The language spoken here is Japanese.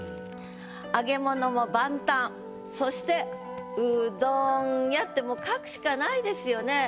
「揚げ物も万端」そして「うどん屋」ってもう書くしかないですよね。